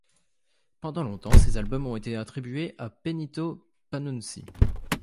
Pendant longtemps, ces albums ont été attribués à Benito Panunzi.